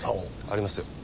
ありますよ。